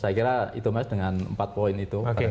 saya kira itu mas dengan empat poin itu